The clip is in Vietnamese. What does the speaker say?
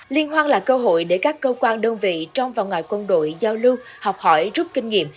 liên hoan là cơ hội để các cơ quan đơn vị trong và ngoài quân đội giao lưu học hỏi rút kinh nghiệm